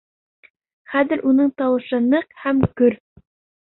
Хәҙер уның тауышы ныҡ һәм көр.